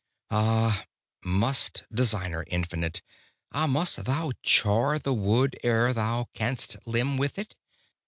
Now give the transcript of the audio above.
Ah! must Designer infinite! Ah! must Thou char the wood ere Thou canst limn with it?